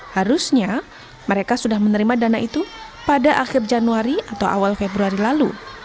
harusnya mereka sudah menerima dana itu pada akhir januari atau awal februari lalu